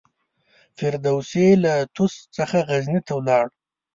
فردوسي له طوس څخه غزني ته ولاړ.